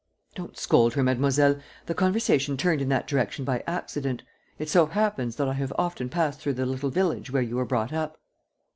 "Don't scold her, mademoiselle. The conversation turned in that direction by accident. It so happens that I have often passed through the little village where you were brought up."